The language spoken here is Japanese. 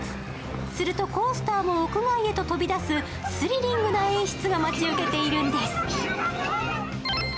するとコースターも屋外へと飛び出す、スリリングな演出が待ち受けているんです。